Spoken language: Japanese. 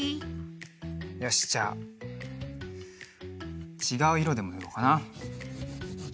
よしじゃあちがういろでもぬろうかな。